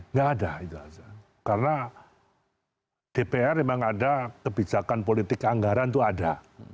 tidak ada karena dpr memang ada kebijakan politik anggaran itu ada